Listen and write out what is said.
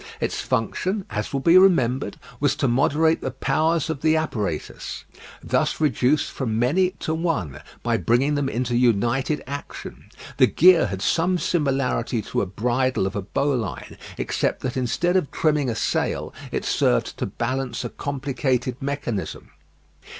Its function, as will be remembered, was to moderate the powers of the apparatus, thus reduced from many to one, by bringing them into united action. The gear had some similarity to a bridle of a bowline, except that instead of trimming a sail it served to balance a complicated mechanism.